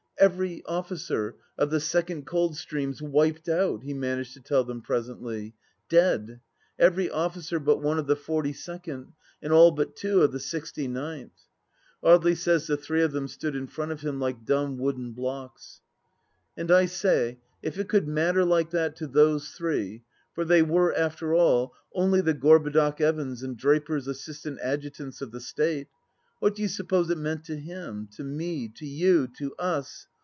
" Every officer of the Second Coldstreams wiped out 1 " he managed to tell them presently. " Dead t Every officer but one of the forty second, and all but two of the sixty ninth." ... Audely says the three of them stood in front of him like dumb wooden blocks. .,. And I say, if it could matter like that to those three — ^for they were, after all, only the Gorbudoc Evans' and draper's assistant adjutants of the State — ^what do you suppose it meant to him, to me, to you, to Us